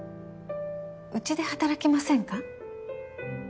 うちで働きませんか？